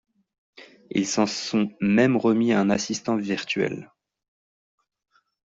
Ils s'en sont même remis à un assistant virtuel.